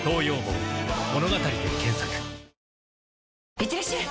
いってらっしゃい！